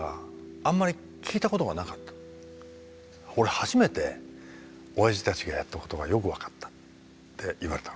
俺初めて親父たちがやったことがよく分かった」って言われたのね。